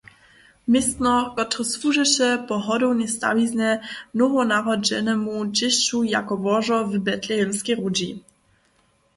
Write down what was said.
Městno, kotrež słužeše po hodownej stawiznje nowonarodźenemu dźěsću jako łožo w Betlehemskej hródźi.